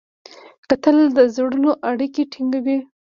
کتل د زړونو اړیکې ټینګوي